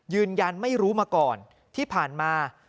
ยืนยันไม่รู้มาก่อนที่ผ่านมา